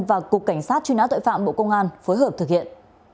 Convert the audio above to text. và cục cảnh sát truy nã tội phạm bộ công an phối hợp thực hiện